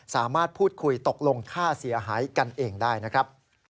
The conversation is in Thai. สามารถพูดคุยตกลงค่าเสียหายกันเองได้นะครับ